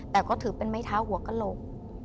แต่เค้าถือเป็นไม้ท้าหัวกระโลก